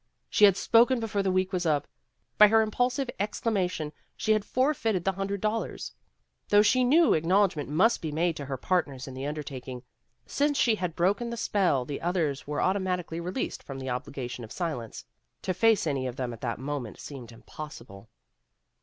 She had spoken before the week was up. By her impulsive exclamation she had forfeited the hundred dollars. Though she knew acknowledgment must be made to her partners in the undertaking, since as she had broken the spell the others were auto matically released from the obligation of silence, to face any of them at that moment seemed impossible.